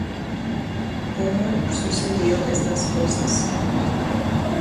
mba'eichakuépiko oiko ko'ãva.